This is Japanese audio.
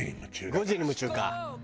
『５時に夢中！』。